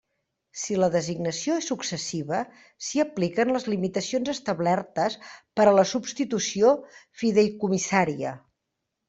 Si la designació és successiva, s'hi apliquen les limitacions establertes per a la substitució fideïcomissària.